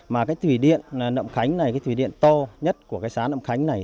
mà cái thủy điện nậm khánh này cái thủy điện to nhất của cái xã nậm khánh này